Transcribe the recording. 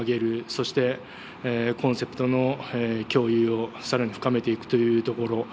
そして、コンセプトの共有をさらに深めていくというところ。